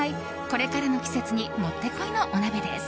これからの季節にもってこいのお鍋です。